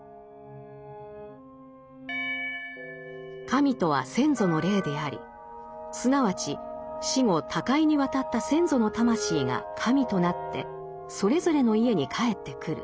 神とは先祖の霊でありすなわち死後他界に渡った先祖の魂が神となってそれぞれの家に帰ってくる。